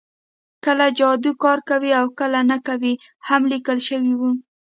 کله جادو کار کوي او کله نه کوي هم لیکل شوي وو